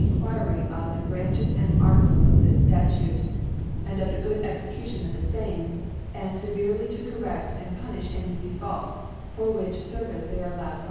Enquiry of the Branches and Articles of * this Statute, and of the good Executior^ * of the fame, and fcverely to correft and * punifh any Defaults : for which Service * they are flowed 51.